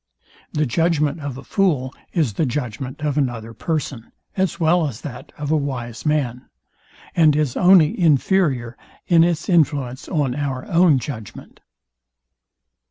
The judgment of a fool is the judgment of another person, as well as that of a wise man, and is only inferior in its influence on our own judgment.